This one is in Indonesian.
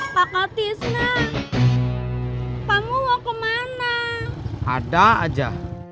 pakatisnya kamu mau kemana ada aja